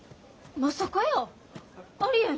まさかやー。